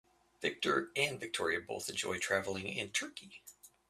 Victor and Victoria both enjoy traveling in Turkey.